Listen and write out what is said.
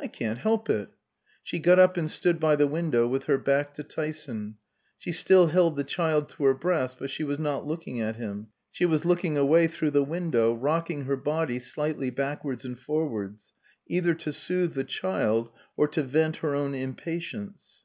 "I can't help it." She got up and stood by the window with her back to Tyson. She still held the child to her breast, but she was not looking at him; she was looking away through the window, rocking her body slightly backwards and forwards, either to soothe the child or to vent her own impatience.